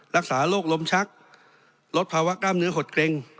รักษาโรคลมชักลดภาวะกล้ามเนื้อหดเกร็ง